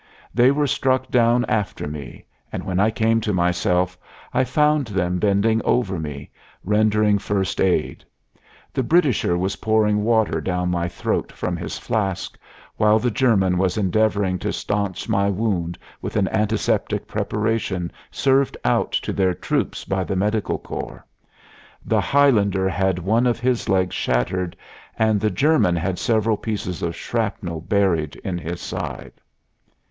They were struck down after me, and when I came to myself I found them bending over me, rendering first aid. The Britisher was pouring water down my throat from his flask, while the German was endeavoring to stanch my wound with an antiseptic preparation served out to their troops by the medical corps. The Highlander had one of his legs shattered, and the German had several pieces of shrapnel buried in his side.